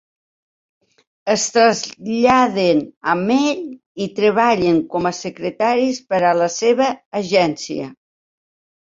Es traslladen amb ell i treballen com a secretaris per a la seva agència.